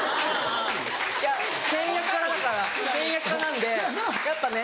いや倹約家だから倹約家なんでやっぱね。